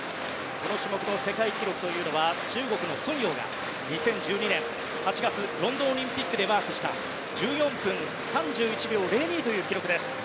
この種目の世界記録は中国のソン・ヨウが２０１２年８月ロンドンオリンピックでマークした１４分３１秒０２という記録です。